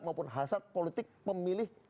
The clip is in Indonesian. maupun hasrat politik pemilih